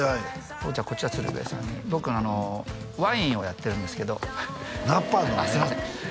じゃあこちら鶴瓶さんに僕ワインをやってるんですけどナパのなああすいません